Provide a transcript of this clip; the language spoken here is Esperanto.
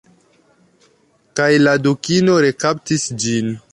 Kaj la Dukino rekaptis ĝin.